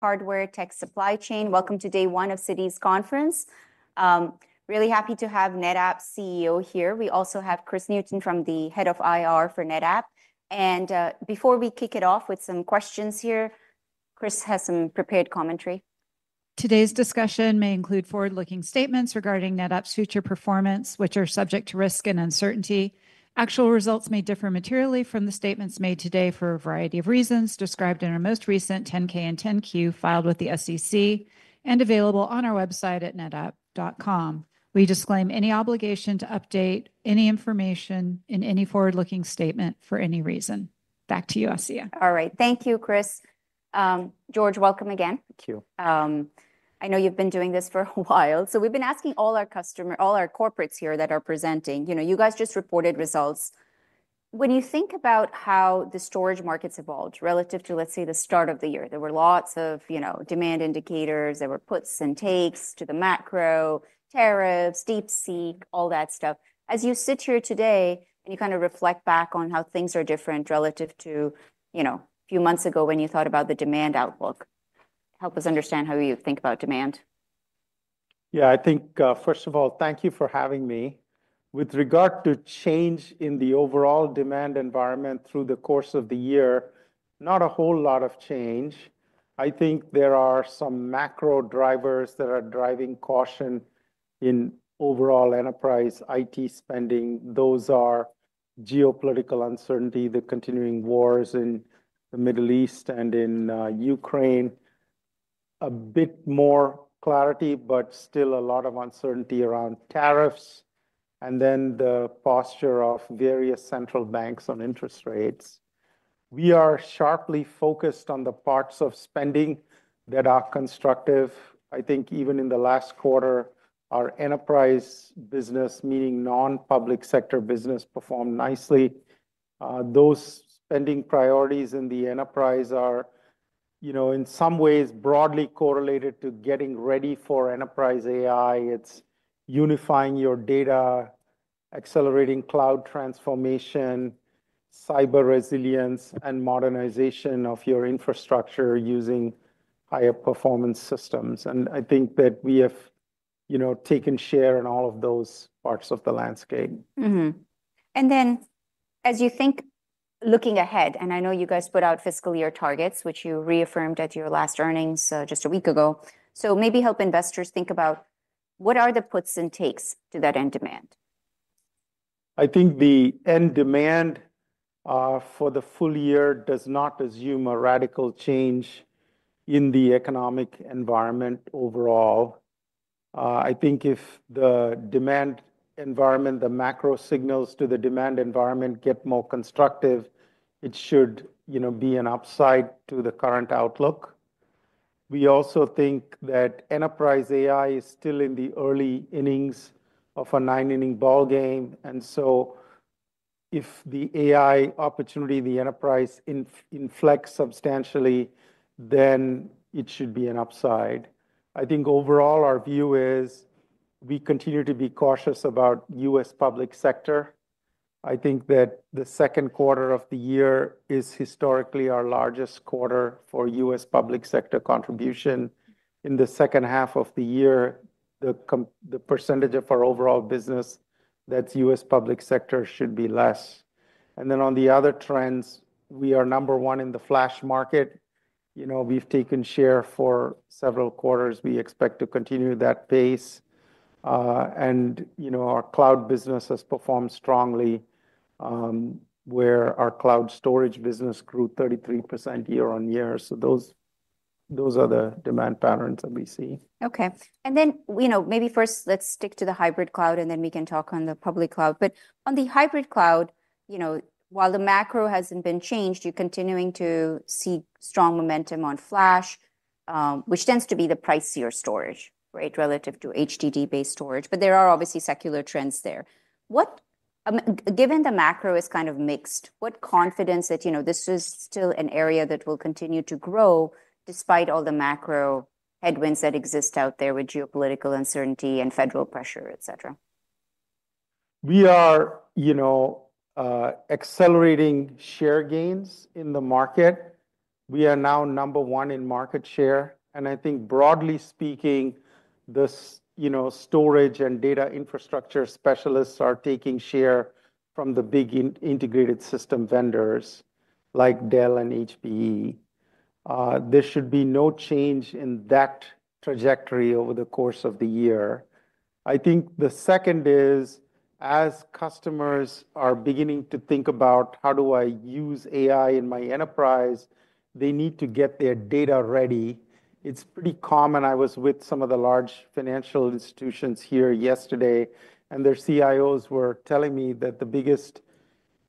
Hardware tech supply chain. Welcome to day one of Citi's conference. Really happy to have NetApp CEO here. We also have Kris Newton, Head of IR for NetApp. Before we kick it off with some questions here, Kris has some prepared commentary. Today's discussion may include forward-looking statements regarding NetApp's future performance, which are subject to risk and uncertainty. Actual results may differ materially from the statements made today for a variety of reasons described in our most recent 10-K and 10-Q filed with the SEC and available on our website at netapp.com. We disclaim any obligation to update any information in any forward-looking statement for any reason. Back to you, Asiya. All right. Thank you, Kris. George, welcome again. Thank you. I know you've been doing this for a while. So we've been asking all our customers, all our corporates here that are presenting, you know, you guys just reported results. When you think about how the storage markets evolved relative to, let's say, the start of the year, there were lots of, you know, demand indicators. There were puts and takes to the macro, tariffs, DeepSeek, all that stuff. As you sit here today and you kind of reflect back on how things are different relative to, you know, a few months ago when you thought about the demand outlook, help us understand how you think about demand. Yeah, I think, first of all, thank you for having me. With regard to change in the overall demand environment through the course of the year, not a whole lot of change. I think there are some macro drivers that are driving caution in overall enterprise IT spending. Those are geopolitical uncertainty, the continuing wars in the Middle East and in Ukraine, a bit more clarity, but still a lot of uncertainty around tariffs, and then the posture of various central banks on interest rates. We are sharply focused on the parts of spending that are constructive. I think even in the last quarter, our enterprise business, meaning non-public sector business, performed nicely. Those spending priorities in the enterprise are, you know, in some ways broadly correlated to getting ready for enterprise AI. It's unifying your data, accelerating cloud transformation, cyber resilience, and modernization of your infrastructure using higher performance systems. And I think that we have, you know, taken share in all of those parts of the landscape. And then as you think looking ahead, and I know you guys put out fiscal year targets, which you reaffirmed at your last earnings just a week ago. So maybe help investors think about what are the puts and takes to that end demand? I think the end demand for the full year does not assume a radical change in the economic environment overall. I think if the demand environment, the macro signals to the demand environment get more constructive, it should, you know, be an upside to the current outlook. We also think that enterprise AI is still in the early innings of a nine-inning ballgame. And so if the AI opportunity in the enterprise inflects substantially, then it should be an upside. I think overall our view is we continue to be cautious about U.S. public sector. I think that the second quarter of the year is historically our largest quarter for U.S. public sector contribution. In the second half of the year, the percentage of our overall business that's U.S. public sector should be less. And then on the other trends, we are number one in the flash market. You know, we've taken share for several quarters. We expect to continue that pace. And, you know, our cloud business has performed strongly where our cloud storage business grew 33% year on year. So those are the demand patterns that we see. Okay. And then, you know, maybe first let's stick to the hybrid cloud and then we can talk on the public cloud. But on the hybrid cloud, you know, while the macro hasn't been changed, you're continuing to see strong momentum on flash, which tends to be the pricier storage, right, relative to HDD-based storage. But there are obviously secular trends there. Given the macro is kind of mixed, what confidence that, you know, this is still an area that will continue to grow despite all the macro headwinds that exist out there with geopolitical uncertainty and federal pressure, et cetera? We are, you know, accelerating share gains in the market. We are now number one in market share. And I think broadly speaking, this, you know, storage and data infrastructure specialists are taking share from the big integrated system vendors like Dell and HPE. There should be no change in that trajectory over the course of the year. I think the second is as customers are beginning to think about how do I use AI in my enterprise, they need to get their data ready. It's pretty common. I was with some of the large financial institutions here yesterday, and their CIOs were telling me that the biggest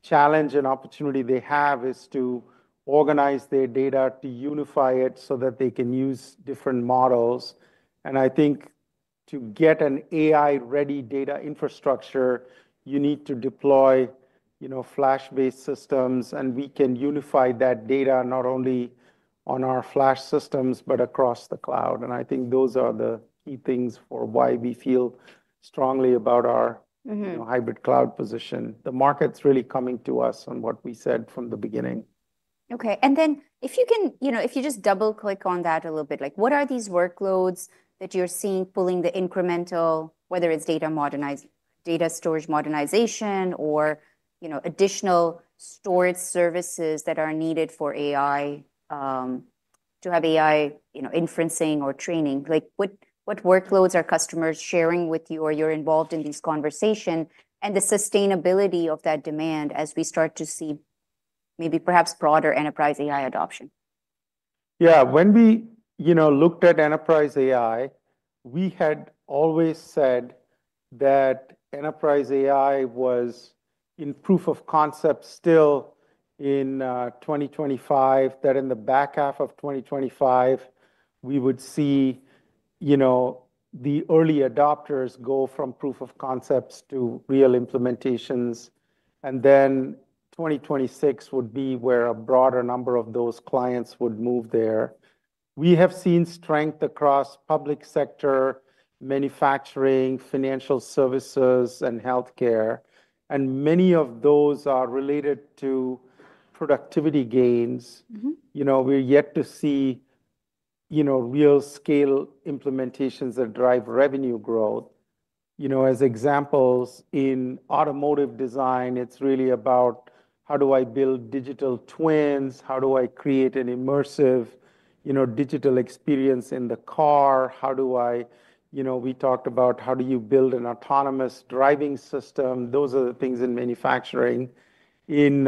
challenge and opportunity they have is to organize their data, to unify it so that they can use different models. And I think to get an AI-ready data infrastructure, you need to deploy, you know, flash-based systems. We can unify that data not only on our flash systems, but across the cloud. I think those are the key things for why we feel strongly about our hybrid cloud position. The market's really coming to us on what we said from the beginning. Okay. And then if you can, you know, if you just double-click on that a little bit, like what are these workloads that you're seeing pulling the incremental, whether it's data storage modernization or, you know, additional storage services that are needed for AI to have AI, you know, inferencing or training? Like what workloads are customers sharing with you or you're involved in this conversation and the sustainability of that demand as we start to see maybe perhaps broader enterprise AI adoption? Yeah. When we, you know, looked at enterprise AI, we had always said that enterprise AI was in proof of concept still in 2025, that in the back half of 2025, we would see, you know, the early adopters go from proof of concepts to real implementations. And then 2026 would be where a broader number of those clients would move there. We have seen strength across public sector, manufacturing, financial services, and healthcare. And many of those are related to productivity gains. You know, we're yet to see, you know, real scale implementations that drive revenue growth. You know, as examples in automotive design, it's really about how do I build digital twins? How do I create an immersive, you know, digital experience in the car? How do I, you know, we talked about how do you build an autonomous driving system? Those are the things in manufacturing. In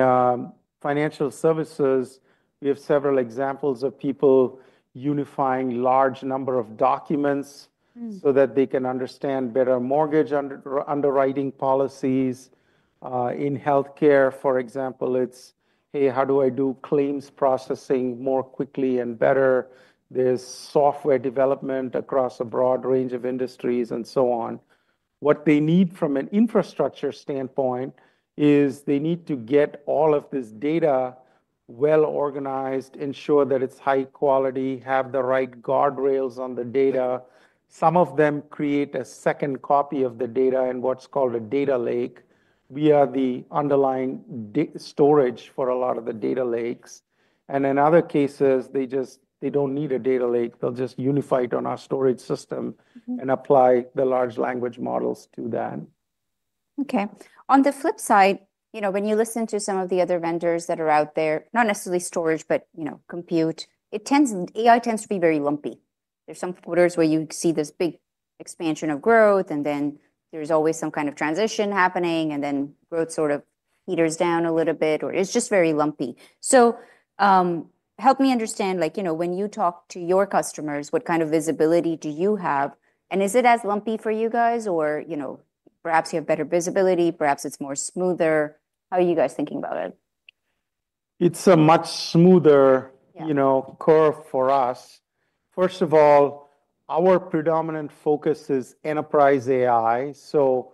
financial services, we have several examples of people unifying large numbers of documents so that they can understand better mortgage underwriting policies. In healthcare, for example, it's, hey, how do I do claims processing more quickly and better? There's software development across a broad range of industries and so on. What they need from an infrastructure standpoint is they need to get all of this data well organized, ensure that it's high quality, have the right guardrails on the data. Some of them create a second copy of the data in what's called a data lake. We are the underlying storage for a lot of the data lakes. And in other cases, they just, they don't need a data lake. They'll just unify it on our storage system and apply the large language models to that. Okay. On the flip side, you know, when you listen to some of the other vendors that are out there, not necessarily storage, but, you know, compute, it tends, AI tends to be very lumpy. There's some quarters where you see this big expansion of growth, and then there's always some kind of transition happening, and then growth sort of peters down a little bit, or it's just very lumpy. So help me understand, like, you know, when you talk to your customers, what kind of visibility do you have? And is it as lumpy for you guys or, you know, perhaps you have better visibility, perhaps it's more smoother? How are you guys thinking about it? It's a much smoother, you know, curve for us. First of all, our predominant focus is enterprise AI. So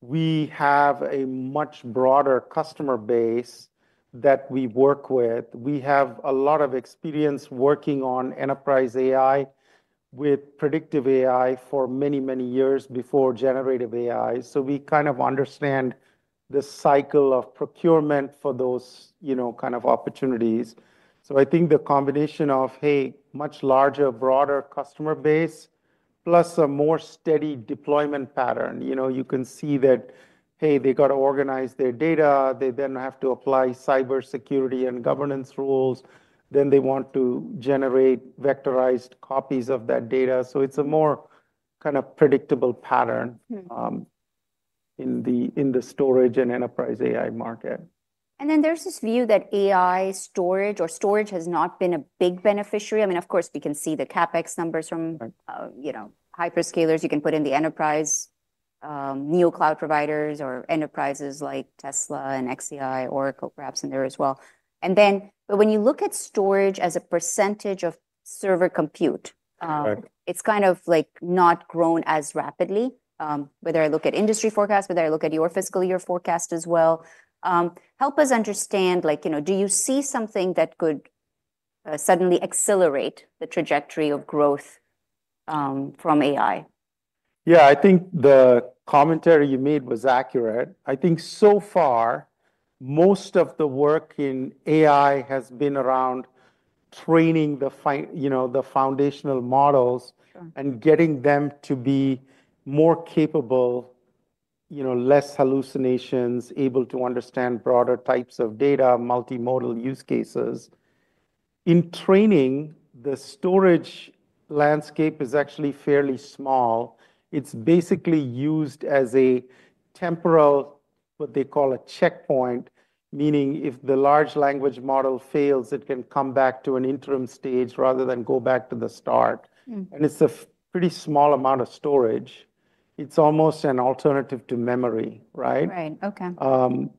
we have a much broader customer base that we work with. We have a lot of experience working on enterprise AI with predictive AI for many, many years before generative AI. So we kind of understand the cycle of procurement for those, you know, kind of opportunities. So I think the combination of, hey, much larger, broader customer base, plus a more steady deployment pattern, you know, you can see that, hey, they got to organize their data. They then have to apply cybersecurity and governance rules. Then they want to generate vectorized copies of that data. So it's a more kind of predictable pattern in the storage and enterprise AI market. And then there's this view that AI storage or storage has not been a big beneficiary. I mean, of course, we can see the CapEx numbers from, you know, hyperscalers you can put in the enterprise new cloud providers or enterprises like Tesla and xAI, Oracle perhaps in there as well. And then, but when you look at storage as a percentage of server compute, it's kind of like not grown as rapidly. Whether I look at industry forecasts, whether I look at your fiscal year forecast as well, help us understand, like, you know, do you see something that could suddenly accelerate the trajectory of growth from AI? Yeah, I think the commentary you made was accurate. I think so far most of the work in AI has been around training the, you know, the foundational models and getting them to be more capable, you know, less hallucinations, able to understand broader types of data, multimodal use cases. In training, the storage landscape is actually fairly small. It's basically used as a temporal, what they call a checkpoint, meaning if the large language model fails, it can come back to an interim stage rather than go back to the start. And it's a pretty small amount of storage. It's almost an alternative to memory, right? Right. Okay.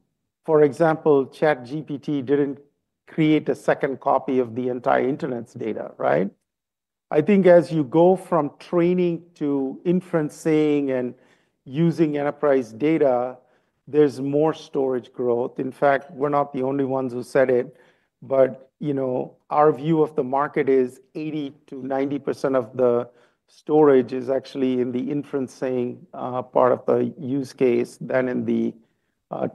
For example, ChatGPT didn't create a second copy of the entire internet's data, right? I think as you go from training to inferencing and using enterprise data, there's more storage growth. In fact, we're not the only ones who said it, but, you know, our view of the market is 80%-90% of the storage is actually in the inferencing part of the use case than in the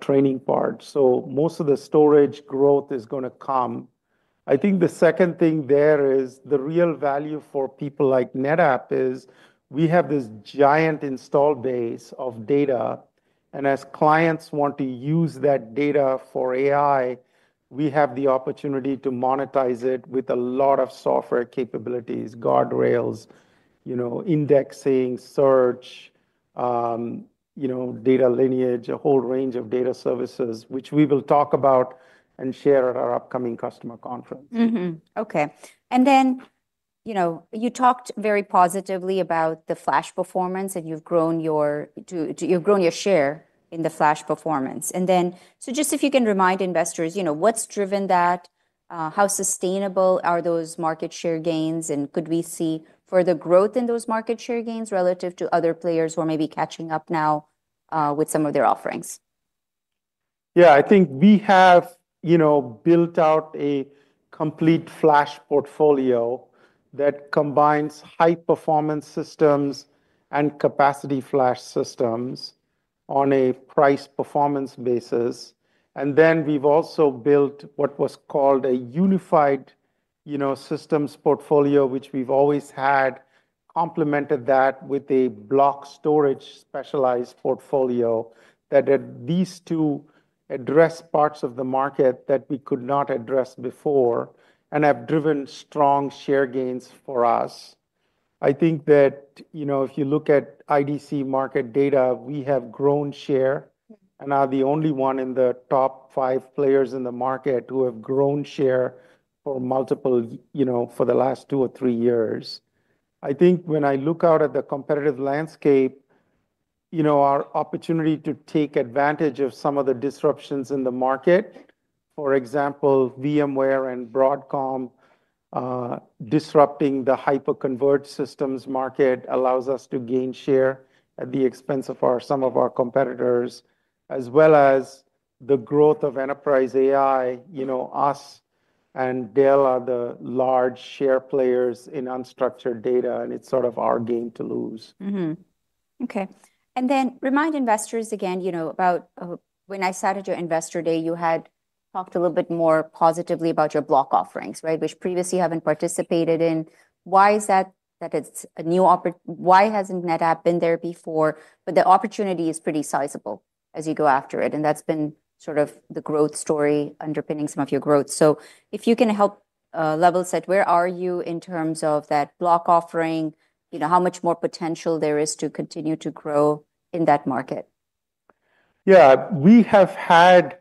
training part. So most of the storage growth is going to come. I think the second thing there is the real value for people like NetApp is we have this giant installed base of data. As clients want to use that data for AI, we have the opportunity to monetize it with a lot of software capabilities, guardrails, you know, indexing, search, you know, data lineage, a whole range of data services, which we will talk about and share at our upcoming customer conference. Okay. And then, you know, you talked very positively about the flash performance, and you've grown your share in the flash performance. So just if you can remind investors, you know, what's driven that? How sustainable are those market share gains? And could we see further growth in those market share gains relative to other players who are maybe catching up now with some of their offerings? Yeah, I think we have, you know, built out a complete flash portfolio that combines high performance systems and capacity flash systems on a price performance basis, and then we've also built what was called a unified, you know, systems portfolio, which we've always had, complemented that with a block storage specialized portfolio that had these two address parts of the market that we could not address before and have driven strong share gains for us. I think that, you know, if you look at IDC market data, we have grown share and are the only one in the top five players in the market who have grown share for multiple, you know, for the last two or three years. I think when I look out at the competitive landscape, you know, our opportunity to take advantage of some of the disruptions in the market, for example, VMware and Broadcom disrupting the hyperconverged systems market allows us to gain share at the expense of some of our competitors, as well as the growth of enterprise AI. You know, us and Dell are the large share players in unstructured data, and it's sort of our game to lose. Okay. And then remind investors again, you know, about when I started your investor day, you had talked a little bit more positively about your block offerings, right, which previously you haven't participated in. Why is that it's a new opportunity? Why hasn't NetApp been there before? But the opportunity is pretty sizable as you go after it. And that's been sort of the growth story underpinning some of your growth. So if you can help level set, where are you in terms of that block offering, you know, how much more potential there is to continue to grow in that market? Yeah, we have had,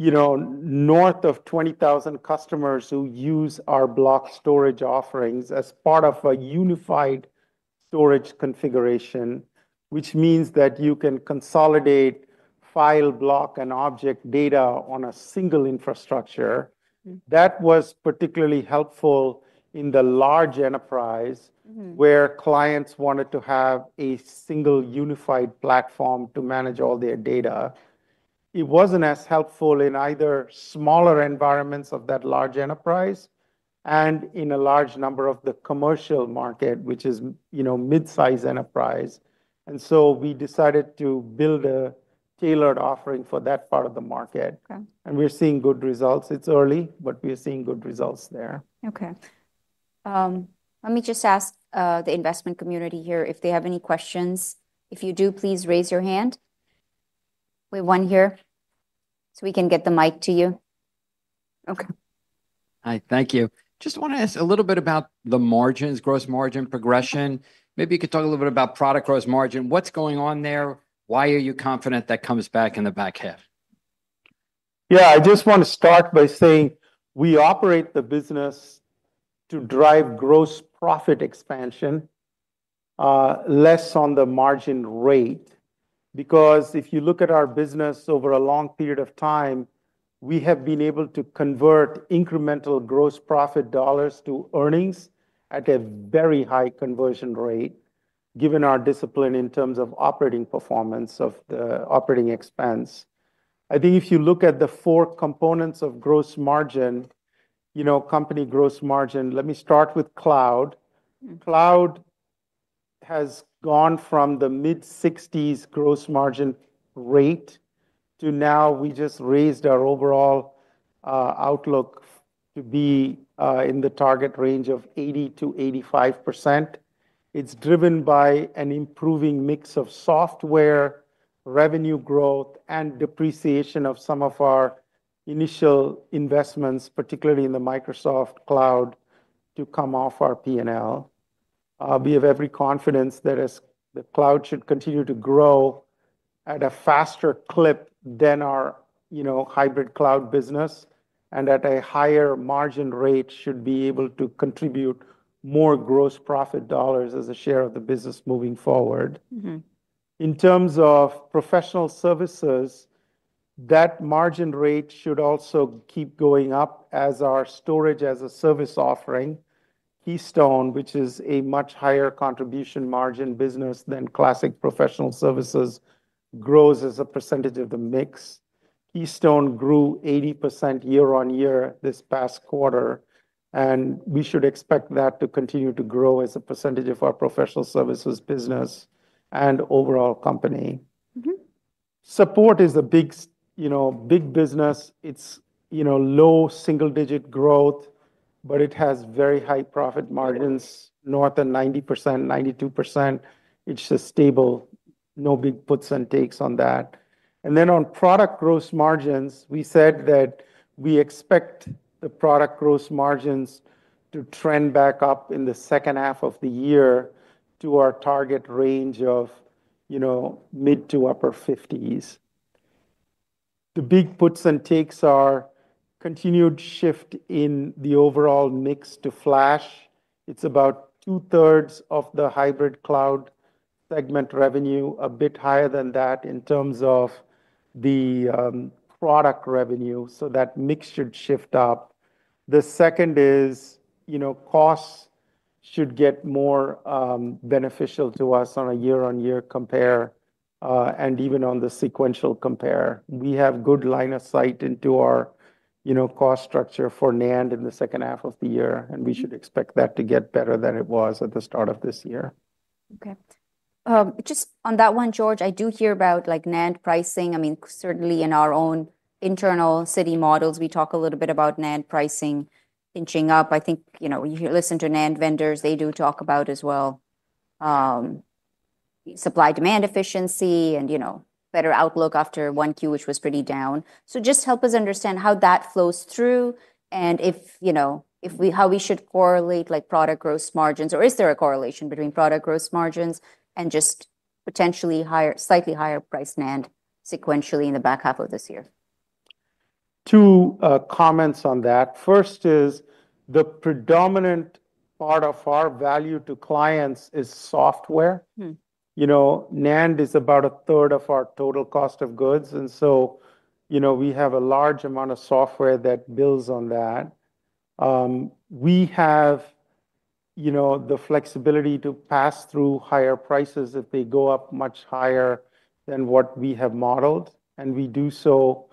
you know, north of 20,000 customers who use our block storage offerings as part of a unified storage configuration, which means that you can consolidate file, block, and object data on a single infrastructure. That was particularly helpful in the large enterprise where clients wanted to have a single unified platform to manage all their data. It wasn't as helpful in either smaller environments of that large enterprise and in a large number of the commercial market, which is, you know, mid-size enterprise. And so we decided to build a tailored offering for that part of the market. And we're seeing good results. It's early, but we're seeing good results there. Okay. Let me just ask the investment community here if they have any questions. If you do, please raise your hand. We have one here so we can get the mic to you. Okay. Hi, thank you. Just want to ask a little bit about the margins, gross margin progression. Maybe you could talk a little bit about product gross margin. What's going on there? Why are you confident that comes back in the back half? Yeah, I just want to start by saying we operate the business to drive gross profit expansion, less on the margin rate. Because if you look at our business over a long period of time, we have been able to convert incremental gross profit dollars to earnings at a very high conversion rate, given our discipline in terms of operating performance of the operating expense. I think if you look at the four components of gross margin, you know, company gross margin, let me start with cloud. Cloud has gone from the mid-60s gross margin rate to, now, we just raised our overall outlook to be in the target range of 80%-85%. It's driven by an improving mix of software, revenue growth, and depreciation of some of our initial investments, particularly in the Microsoft cloud to come off our P&L. We have every confidence that the cloud should continue to grow at a faster clip than our, you know, hybrid cloud business and at a higher margin rate should be able to contribute more gross profit dollars as a share of the business moving forward. In terms of professional services, that margin rate should also keep going up as our storage as a service offering, Keystone, which is a much higher contribution margin business than classic professional services, grows as a percentage of the mix. Keystone grew 80% year on year this past quarter, and we should expect that to continue to grow as a percentage of our professional services business and overall company. Support is a big, you know, big business. It's, you know, low single digit growth, but it has very high profit margins, north of 90%, 92%. It's a stable, no big puts and takes on that. Then on product gross margins, we said that we expect the product gross margins to trend back up in the second half of the year to our target range of, you know, mid- to upper 50s. The big puts and takes are continued shift in the overall mix to flash. It's about two thirds of the hybrid cloud segment revenue, a bit higher than that in terms of the product revenue. So that mix should shift up. The second is, you know, costs should get more beneficial to us on a year-on-year compare and even on the sequential compare. We have good line of sight into our, you know, cost structure for NAND in the second half of the year, and we should expect that to get better than it was at the start of this year. Okay. Just on that one, George, I do hear about like NAND pricing. I mean, certainly in our own internal Citi models, we talk a little bit about NAND pricing inching up. I think, you know, you listen to NAND vendors, they do talk about as well supply demand efficiency and, you know, better outlook after one Q, which was pretty down. So just help us understand how that flows through and if, you know, if we, how we should correlate like product gross margins or is there a correlation between product gross margins and just potentially higher, slightly higher price NAND sequentially in the back half of this year. Two comments on that. First is the predominant part of our value to clients is software. You know, NAND is about a third of our total cost of goods. And so, you know, we have a large amount of software that builds on that. We have, you know, the flexibility to pass through higher prices if they go up much higher than what we have modeled, and we do so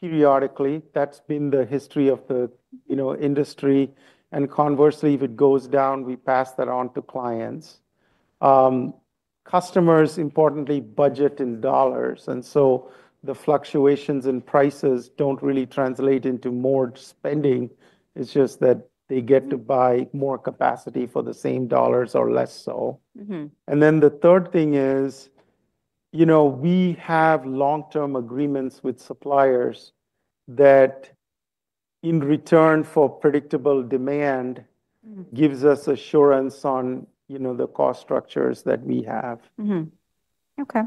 periodically. That's been the history of the, you know, industry. And conversely, if it goes down, we pass that on to clients. Customers importantly budget in dollars. And so the fluctuations in prices don't really translate into more spending. It's just that they get to buy more capacity for the same dollars or less so. The third thing is, you know, we have long-term agreements with suppliers that in return for predictable demand gives us assurance on, you know, the cost structures that we have. Okay.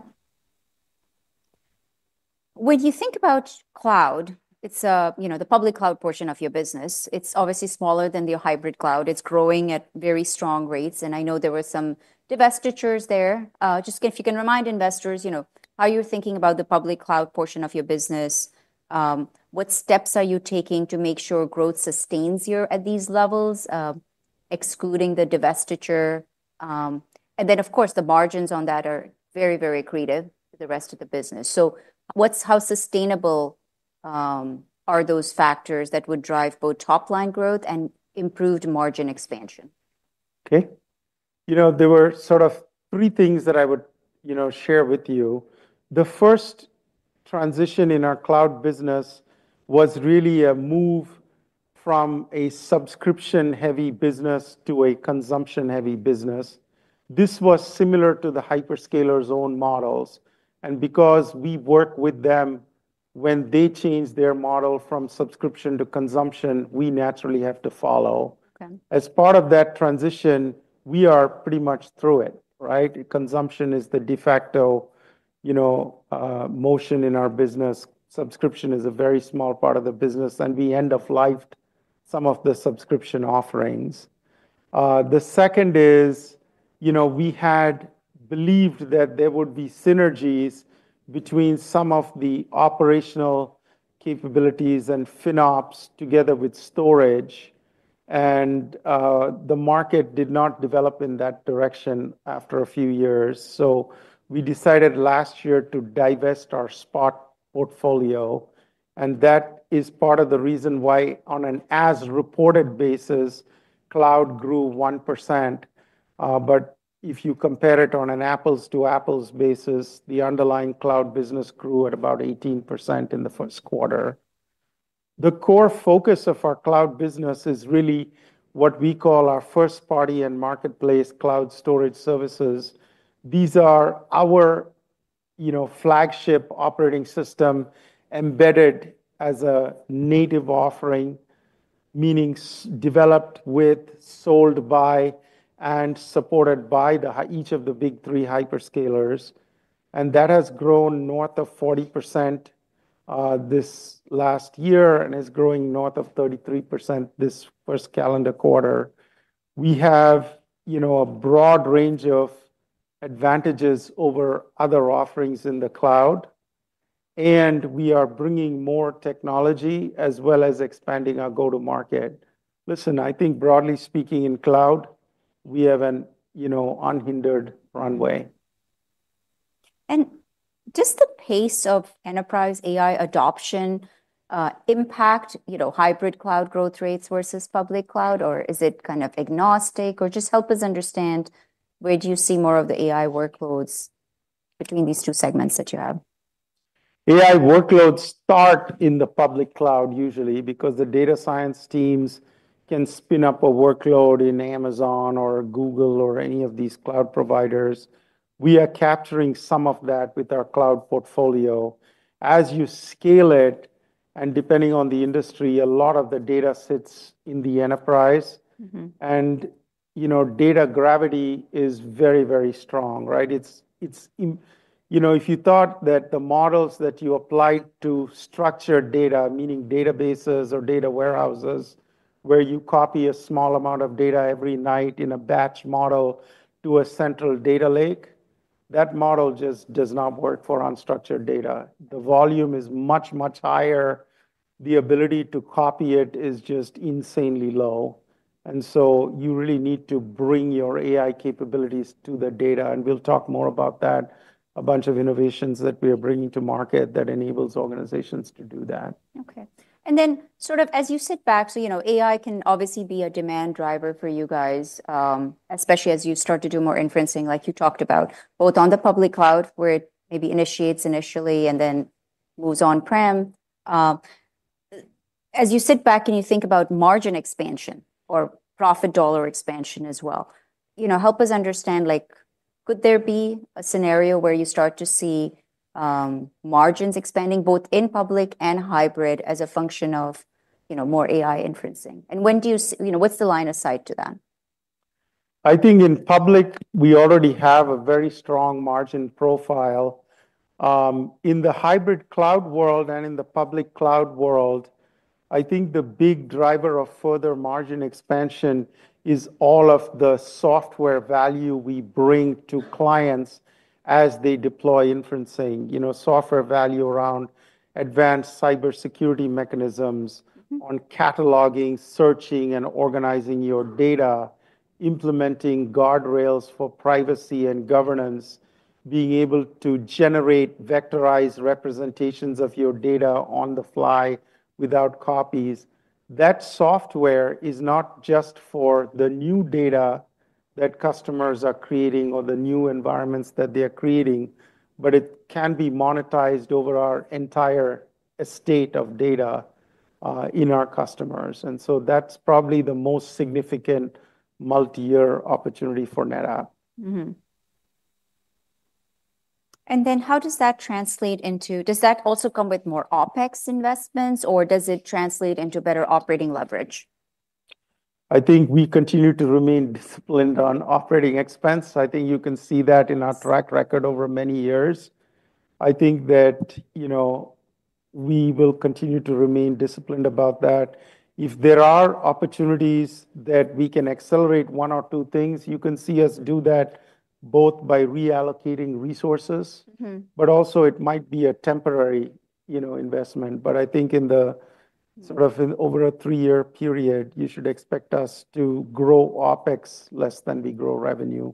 When you think about cloud, it's, you know, the public cloud portion of your business. It's obviously smaller than the hybrid cloud. It's growing at very strong rates. And I know there were some divestitures there. Just if you can remind investors, you know, how you're thinking about the public cloud portion of your business, what steps are you taking to make sure growth sustains you at these levels, excluding the divestiture? And then, of course, the margins on that are very, very creative for the rest of the business. So, how sustainable are those factors that would drive both top line growth and improved margin expansion? Okay. You know, there were sort of three things that I would, you know, share with you. The first transition in our cloud business was really a move from a subscription heavy business to a consumption heavy business. This was similar to the hyperscalers' own models. And because we work with them when they change their model from subscription to consumption, we naturally have to follow. As part of that transition, we are pretty much through it, right? Consumption is the de facto motion in our business. Subscription is a very small part of the business, and we end of life some of the subscription offerings. The second is, you know, we had believed that there would be synergies between some of the operational capabilities and FinOps together with storage. And the market did not develop in that direction after a few years. So we decided last year to divest our Spot portfolio. And that is part of the reason why on an as reported basis, cloud grew 1%. But if you compare it on an apples to apples basis, the underlying cloud business grew at about 18% in the first quarter. The core focus of our cloud business is really what we call our first party and marketplace cloud storage services. These are our, you know, flagship operating system embedded as a native offering, meaning developed with, sold by, and supported by each of the big three hyperscalers. And that has grown north of 40% this last year and is growing north of 33% this first calendar quarter. We have, you know, a broad range of advantages over other offerings in the cloud. And we are bringing more technology as well as expanding our go-to-market. Listen, I think broadly speaking in cloud, we have an, you know, unhindered runway. Just the pace of enterprise AI adoption impact, you know, hybrid cloud growth rates versus public cloud, or is it kind of agnostic or just help us understand where do you see more of the AI workloads between these two segments that you have? AI workloads start in the public cloud usually because the data science teams can spin up a workload in Amazon or Google or any of these cloud providers. We are capturing some of that with our cloud portfolio. As you scale it and depending on the industry, a lot of the data sits in the enterprise. And, you know, data gravity is very, very strong, right? It's, you know, if you thought that the models that you applied to structured data, meaning databases or data warehouses where you copy a small amount of data every night in a batch model to a central data lake, that model just does not work for unstructured data. The volume is much, much higher. The ability to copy it is just insanely low. And so you really need to bring your AI capabilities to the data. We'll talk more about that, a bunch of innovations that we are bringing to market that enables organizations to do that. Okay. And then sort of as you sit back, so, you know, AI can obviously be a demand driver for you guys, especially as you start to do more inferencing, like you talked about, both on the public cloud where it maybe initiates initially and then moves on prem. As you sit back and you think about margin expansion or profit dollar expansion as well, you know, help us understand, like, could there be a scenario where you start to see margins expanding both in public and hybrid as a function of, you know, more AI inferencing? And when do you, you know, what's the line of sight to that? I think in public, we already have a very strong margin profile. In the hybrid cloud world and in the public cloud world, I think the big driver of further margin expansion is all of the software value we bring to clients as they deploy inferencing, you know, software value around advanced cybersecurity mechanisms on cataloging, searching, and organizing your data, implementing guardrails for privacy and governance, being able to generate vectorized representations of your data on the fly without copies. That software is not just for the new data that customers are creating or the new environments that they are creating, but it can be monetized over our entire estate of data in our customers. And so that's probably the most significant multi-year opportunity for NetApp. How does that translate into? Does that also come with more OpEx investments or does it translate into better operating leverage? I think we continue to remain disciplined on operating expense. I think you can see that in our track record over many years. I think that, you know, we will continue to remain disciplined about that. If there are opportunities that we can accelerate one or two things, you can see us do that both by reallocating resources, but also it might be a temporary, you know, investment. But I think in the sort of over a three-year period, you should expect us to grow OpEx less than we grow revenue.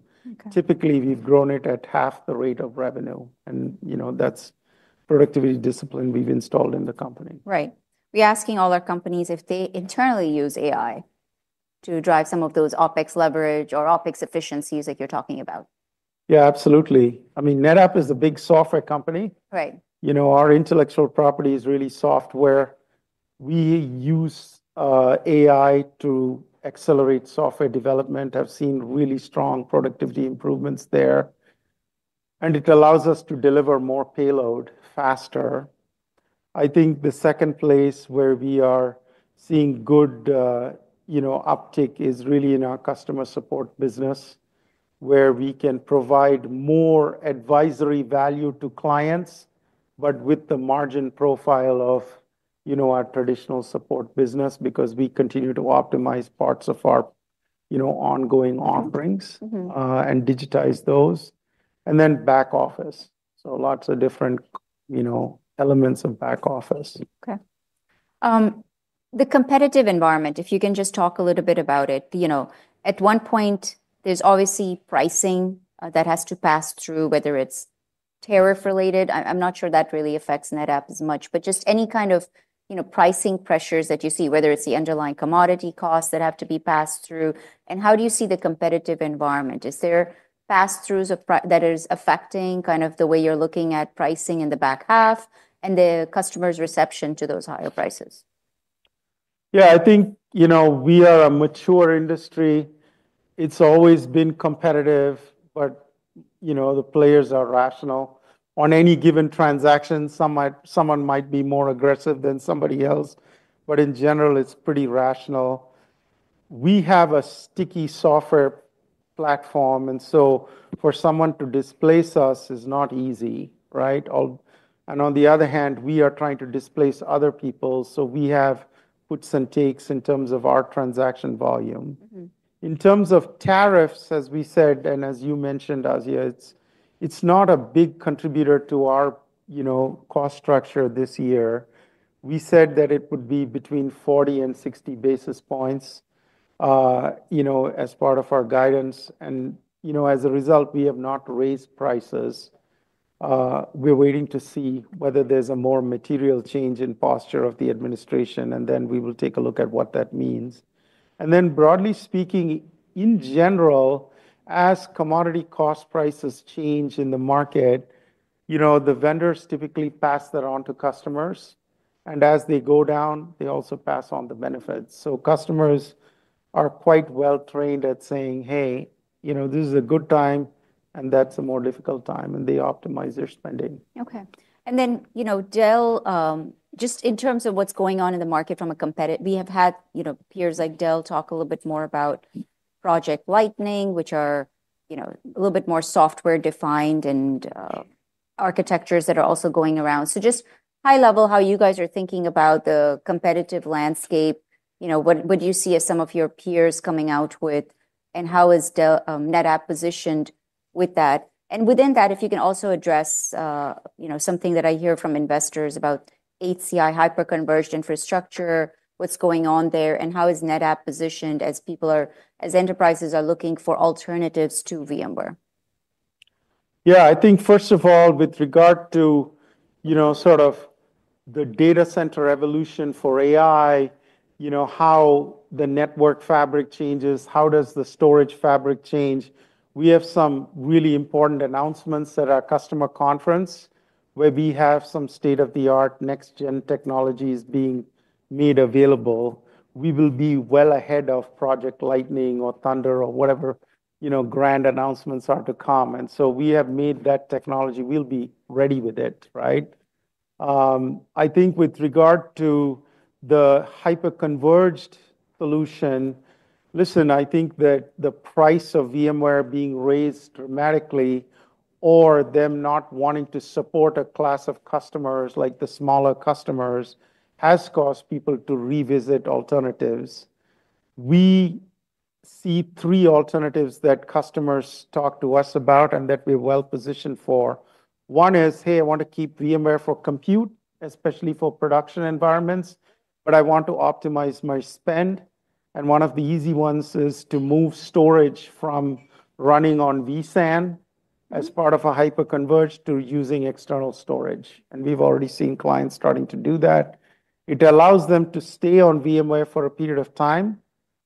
Typically, we've grown it at half the rate of revenue, and you know, that's productivity discipline we've installed in the company. Right. We're asking all our companies if they internally use AI to drive some of those OpEx leverage or OpEx efficiencies like you're talking about. Yeah, absolutely. I mean, NetApp is a big software company. You know, our intellectual property is really software. We use AI to accelerate software development. I've seen really strong productivity improvements there. And it allows us to deliver more payload faster. I think the second place where we are seeing good, you know, uptick is really in our customer support business where we can provide more advisory value to clients, but with the margin profile of, you know, our traditional support business because we continue to optimize parts of our, you know, ongoing offerings and digitize those and then back office. So lots of different, you know, elements of back office. Okay. The competitive environment, if you can just talk a little bit about it, you know, at one point there's obviously pricing that has to pass through, whether it's tariff related. I'm not sure that really affects NetApp as much, but just any kind of, you know, pricing pressures that you see, whether it's the underlying commodity costs that have to be passed through, and how do you see the competitive environment? Is there pass-throughs that are affecting kind of the way you're looking at pricing in the back half and the customer's reception to those higher prices? Yeah, I think, you know, we are a mature industry. It's always been competitive, but, you know, the players are rational. On any given transaction, someone might be more aggressive than somebody else. But in general, it's pretty rational. We have a sticky software platform. And so for someone to displace us is not easy, right? And on the other hand, we are trying to displace other people. So we have puts and takes in terms of our transaction volume. In terms of tariffs, as we said, and as you mentioned, Asia, it's not a big contributor to our, you know, cost structure this year. We said that it would be between 40 and 60 basis points, you know, as part of our guidance. And, you know, as a result, we have not raised prices. We're waiting to see whether there's a more material change in posture of the administration, and then we will take a look at what that means, and then broadly speaking, in general, as commodity cost prices change in the market, you know, the vendors typically pass that on to customers, and as they go down, they also pass on the benefits, so customers are quite well trained at saying, "Hey, you know, this is a good time, and that's a more difficult time," and they optimize their spending. Okay. And then, you know, Dell, just in terms of what's going on in the market from a competitor, we have had, you know, peers like Dell talk a little bit more about Project Lightning, which are, you know, a little bit more software defined and architectures that are also going around. So just high level how you guys are thinking about the competitive landscape, you know, what do you see as some of your peers coming out with and how is NetApp positioned with that? And within that, if you can also address, you know, something that I hear from investors about HCI hyper-converged infrastructure, what's going on there, and how is NetApp positioned as people are, as enterprises are looking for alternatives to VMware? Yeah, I think first of all, with regard to, you know, sort of the data center evolution for AI, you know, how the network fabric changes, how does the storage fabric change. We have some really important announcements at our customer conference where we have some state-of-the-art next-gen technologies being made available. We will be well ahead of Project Lightning or Thunder or whatever, you know, grand announcements are to come, and so we have made that technology; we'll be ready with it, right? I think with regard to the hyperconverged solution, listen, I think that the price of VMware being raised dramatically or them not wanting to support a class of customers like the smaller customers has caused people to revisit alternatives. We see three alternatives that customers talk to us about and that we're well positioned for. One is, "Hey, I want to keep VMware for compute, especially for production environments, but I want to optimize my spend." And one of the easy ones is to move storage from running on vSAN as part of a hyper-converged to using external storage. And we've already seen clients starting to do that. It allows them to stay on VMware for a period of time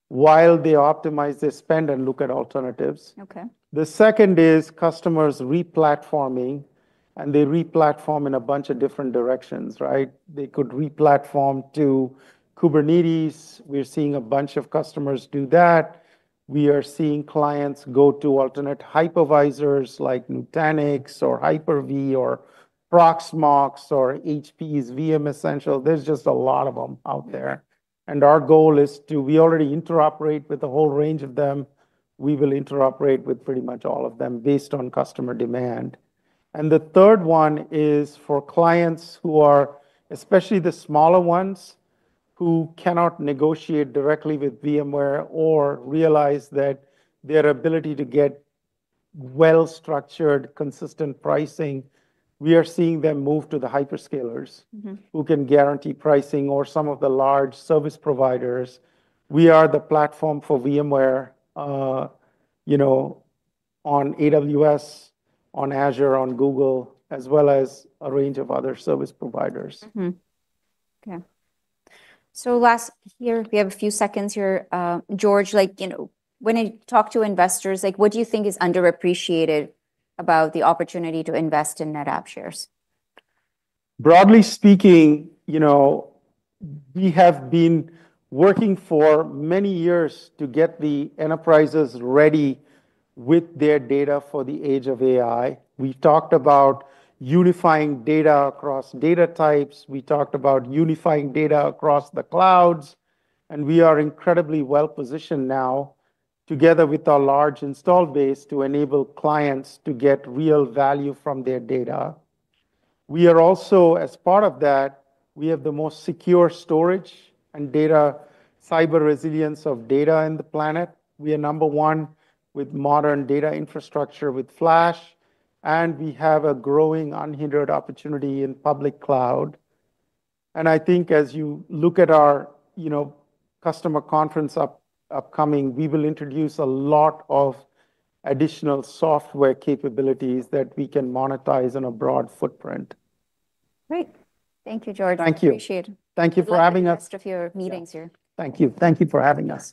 while they optimize their spend and look at alternatives. The second is customers replatforming and they replatform in a bunch of different directions, right? They could replatform to Kubernetes. We're seeing a bunch of customers do that. We are seeing clients go to alternate hypervisors like Nutanix or Hyper-V or Proxmox or HPE's VM Essential. There's just a lot of them out there. And our goal is to, we already interoperate with a whole range of them. We will interoperate with pretty much all of them based on customer demand, and the third one is for clients who are, especially the smaller ones who cannot negotiate directly with VMware or realize that their ability to get well-structured, consistent pricing. We are seeing them move to the hyperscalers who can guarantee pricing or some of the large service providers. We are the platform for VMware, you know, on AWS, on Azure, on Google, as well as a range of other service providers. Okay. So last here, we have a few seconds here, George, like, you know, when you talk to investors, like, what do you think is underappreciated about the opportunity to invest in NetApp shares? Broadly speaking, you know, we have been working for many years to get the enterprises ready with their data for the age of AI. We talked about unifying data across data types. We talked about unifying data across the clouds, and we are incredibly well positioned now together with our large installed base to enable clients to get real value from their data. We are also, as part of that, we have the most secure storage and data cyber resilience of data on the planet. We are number one with modern data infrastructure with flash. And we have a growing unhindered opportunity in public cloud, and I think as you look at our, you know, customer conference upcoming, we will introduce a lot of additional software capabilities that we can monetize on a broad footprint. Great. Thank you, George. Thank you. Appreciate it. Thank you for having us. Have a good rest of your meetings here. Thank you. Thank you for having us.